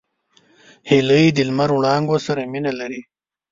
هیلۍ د لمر وړانګو سره مینه لري